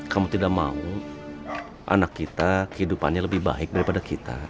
kamu tidak mau anak kita kehidupannya lebih baik daripada kita